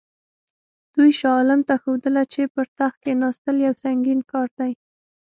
دوی شاه عالم ته ښودله چې پر تخت کښېنستل یو سنګین کار دی.